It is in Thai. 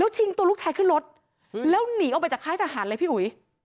ชิงตัวลูกชายขึ้นรถแล้วหนีออกไปจากค่ายทหารเลยพี่อุ๋ย